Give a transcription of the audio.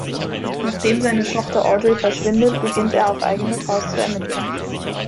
Nachdem seine Tochter Audrey verschwindet beginnt er auf eigene Faust zu ermitteln.